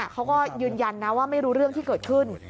เขาก็ยืนยันนะว่าไม่รู้เรื่องที่เกิดขึ้น